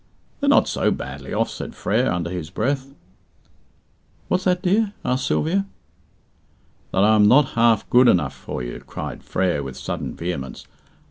"They're not so badly off," said Frere, under his breath. "What's that, sir?" asked Sylvia. "That I am not half good enough for you," cried Frere, with sudden vehemence.